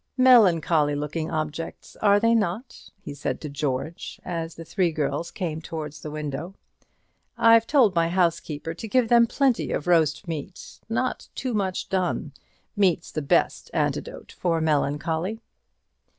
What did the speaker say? "Melancholy looking objects, are they not?" he said to George, as the three girls came towards the window. "I've told my housekeeper to give them plenty of roast meat, not too much done; meat's the best antidote for melancholy."